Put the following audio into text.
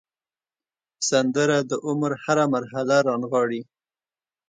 سندره د عمر هره مرحله رانغاړي